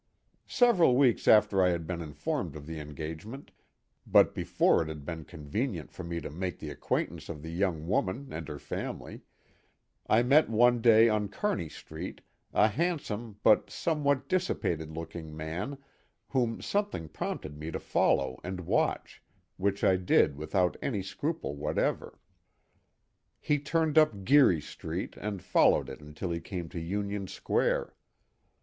Several weeks after I had been informed of the engagement, but before it had been convenient for me to make the acquaintance of the young woman and her family, I met one day on Kearney street a handsome but somewhat dissipated looking man whom something prompted me to follow and watch, which I did without any scruple whatever. He turned up Geary street and followed it until he came to Union square.